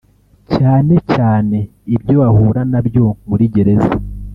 cyane cyane ibyo bahura na byo muri gereza